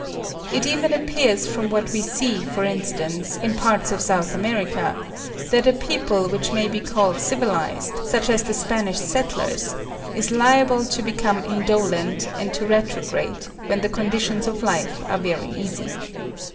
It even appears from what we see, for instance, in parts of S. America, that a people which may be called civilised, such as the Spanish settlers, is liable to become indolent and to retrograde, when the conditions of life are very easy.